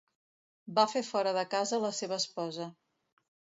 Va fer fora de casa la seva esposa.